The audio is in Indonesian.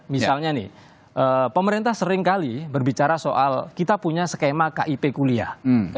misalnya nih pemerintah seringkali berbicara soal kita punya skema kip kuliah